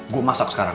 gue masak sekarang